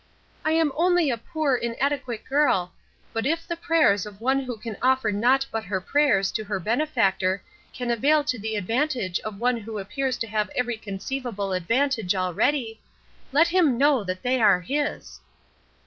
"I am only a poor inadequate girl, but if the prayers of one who can offer naught but her prayers to her benefactor can avail to the advantage of one who appears to have every conceivable advantage already, let him know that they are his."